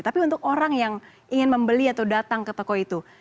tapi untuk orang yang ingin membeli atau datang ke toko itu